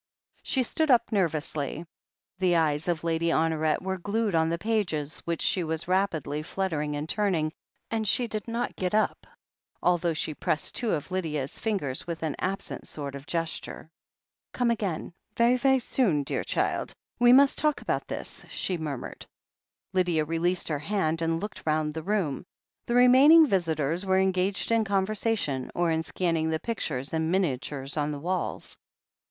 She stood up nervously. The eyes of Lady Hon oret were glued on the pages which she was rapidly fluttering and turning, and she did not get up, although she pressed two of Lydia's fingers with an absent sort of gesture. "G>me again — ^ve'y, ve'y soon, dear child. We must talk about this," she murmured. Lydia released her hand and looked round the room. The remaining visitors were engaged in conversation, or in scanning the pictures and miniatures on the walls.